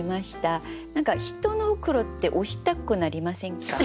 何か人の黒子って押したくなりませんか？